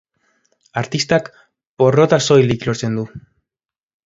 Artistak porrota soilik lortzen du.